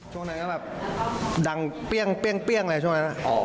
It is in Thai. ช่วงไหนก็แบบดังเปรี้ยงอะไรช่วงไหนนะ